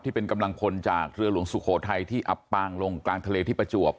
กำลังพลจากเรือหลวงสุโขทัยที่อับปางลงกลางทะเลที่ประจวบ